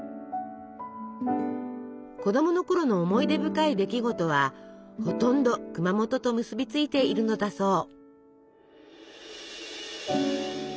子供のころの思い出深い出来事はほとんど熊本と結びついているのだそう。